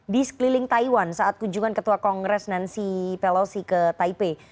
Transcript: di sekeliling taiwan saat kunjungan ketua kongres nancy pelosi ke taipei